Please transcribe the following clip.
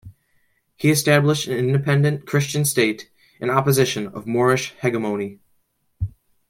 He established an independent Christian state in opposition to Moorish hegemony.